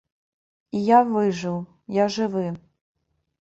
І я выжыў, я жывы.